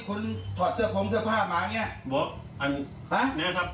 คุณถอดเสื้อโพงเสื้อผ้ามาเนี้ยบอกอันซะนะครับ